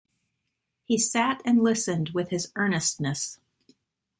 He sat and listened with his earnestness.